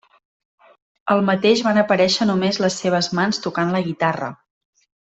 Al mateix van aparèixer només les seves mans tocant la guitarra.